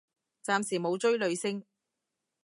暫時冇追女星